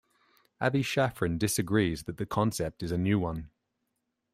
Avi Shafran disagrees that the concept is a new one.